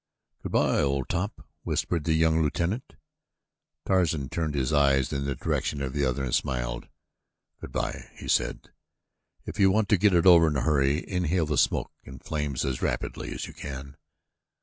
"Good bye, old top," whispered the young lieutenant. Tarzan turned his eyes in the direction of the other and smiled. "Good bye," he said. "If you want to get it over in a hurry, inhale the smoke and flames as rapidly as you can."